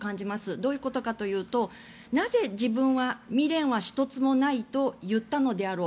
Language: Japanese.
どういうことかというとなぜ自分は未練は一つもないと言ったのであろう。